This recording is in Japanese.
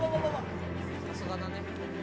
さすがだね。